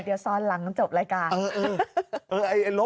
เดี๋ยวซ้อนหลังจบรายการ